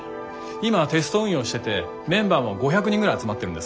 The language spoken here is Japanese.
今テスト運用しててメンバーも５００人ぐらい集まってるんですけど。